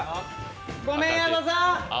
ごめん、矢田さん。